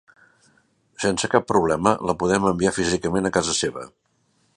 Sense cap problema, la podem enviar físicament a casa seva.